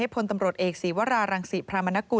และผลเอกพระยุจรรย์โอชานายกรัฐมนตรีฝ่ายความไม่ประมาทค่ะ